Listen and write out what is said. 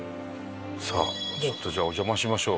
さあちょっとじゃあお邪魔しましょう。